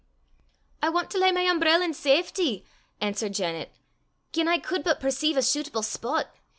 "I want to lay my umbrell in safity," answered Janet, " gien I cud but perceive a shuitable spot.